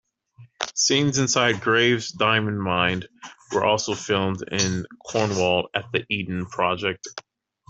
Scenes inside Graves' diamond mine were also filmed in Cornwall, at the Eden Project.